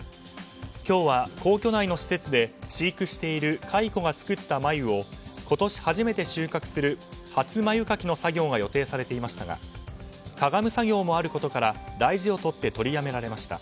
今日は皇居内の施設で飼育している蚕が作った繭を今年初めて収穫する初繭掻の作業が予定されていましたがかがむ作業もあることから大事を取って取りやめられました。